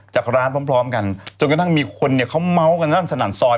จากร้านพร้อมกันจนกระทั่งมีคนเนี่ยเขาเม้ากันกระทั่งสนั่นซอย